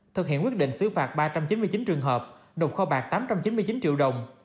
thực hiện quyết định xứ phạt ba trăm chín mươi chín trường hợp nộp kho bạc tám trăm chín mươi chín triệu đồng